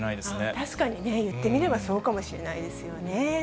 確かにね、言ってみれば、そうかもしれないですよね。